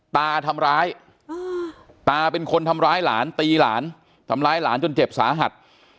ตาทำร้ายตาเป็นคนทำร้ายหลานตีหลานทำร้ายหลานจนเจ็บสาหัส